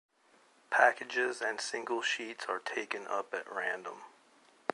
Packages and single sheets are taken up at random.